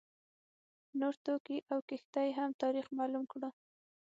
نور توکي او کښتۍ هم تاریخ معلوم کړو.